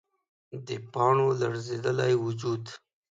د پاڼو لړزیدلی وجود